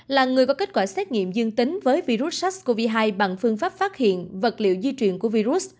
là người có kết quả xét nghiệm dương tính với virus sars cov hai bằng phương pháp phát hiện vật liệu di chuyển của virus